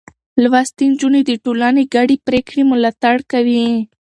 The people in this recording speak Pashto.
لوستې نجونې د ټولنې ګډې پرېکړې ملاتړ کوي.